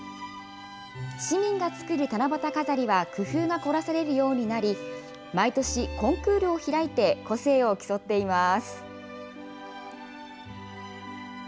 市民が作る七夕飾りは工夫が凝らされるようになり、毎年、コンクールを開いて個性を競っています。